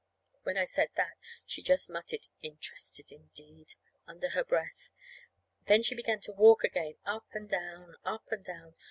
When I said that, she just muttered, "Interested, indeed!" under her breath. Then she began to walk again, up and down, up and down.